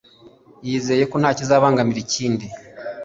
yizeye ko ntakizabangamira ikindi